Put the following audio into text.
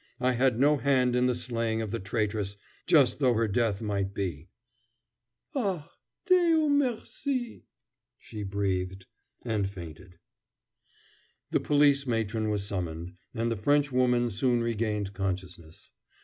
I had no hand in the slaying of the traitress, just though her death might be." "Ah, Dieu merci!" she breathed, and fainted. The police matron was summoned, and the Frenchwoman soon regained consciousness.